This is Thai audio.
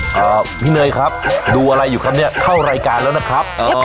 ครับพี่เนยครับดูอะไรอยู่ครับเนี่ยเข้ารายการแล้วนะครับเอ่อ